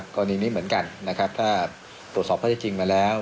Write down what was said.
ตอนนี้เหมือนกันถ้าตรวจสอบเขาได้จริงมาแล้ว